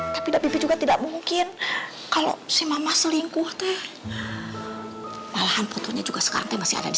tapi juga tidak mungkin kalau si mama selingkuh teh malahan fotonya juga sekarang masih ada di